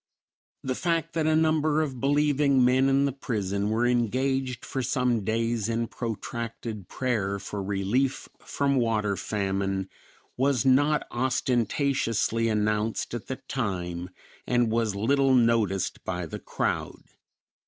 The fact that a number of believing men in the prison were engaged for some days in protracted prayer for relief from water famine was not ostentatiously announced at the time, and was little noticed by the crowd.